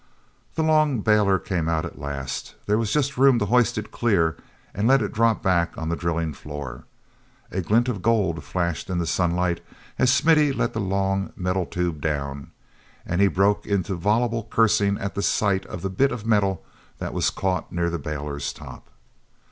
The long bailer came out at last; there was just room to hoist it clear and let it drop back upon the drilling floor. A glint of gold flashed in the sunlight as Smithy let the long metal tube down, and he broke into voluble cursing at sight of the bit of metal that was caught near the bailer's top.